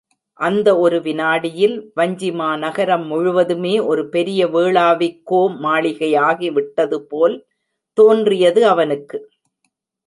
அந்த ஒரு விநாடியில் வஞ்சிமாநகரம் முழுவதுமே ஒரு பெரிய வேளாவிக்கோ மாளிகையாகிவிட்டதுபோல் தோன்றியது அவனுக்கு.